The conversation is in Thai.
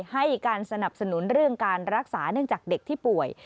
ให้การสนับสนุนเรื่องการรักษาเนื่องจากเด็กที่ป่วย